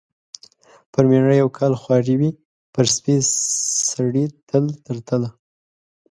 پر مېړه یو کال خواري وي، پر سپي سړي تل تر تله.